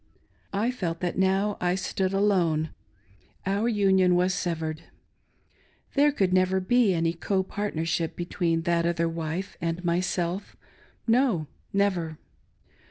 I felt that now I stood alone — our union was severed. There could never be any copartnership between that other wife and my self— no, never.